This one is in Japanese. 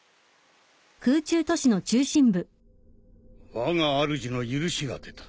わがあるじの許しが出た。